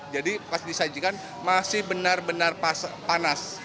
jadi pas disajikan masih benar benar panas